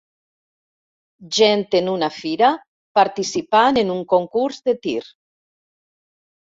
Gent en una fira participant en un concurs de tir.